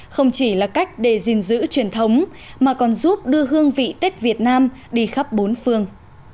không chỉ là cách để gìn giữ truyền thống mà còn giúp đưa hương vị tết việt nam đi khắp bốn phương